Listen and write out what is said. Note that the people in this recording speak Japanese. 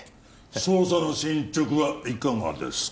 捜査の進捗はいかがですか？